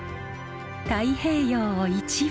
太平洋を一望。